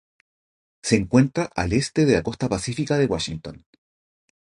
Se encuentra al este de la costa pacífica de Washington.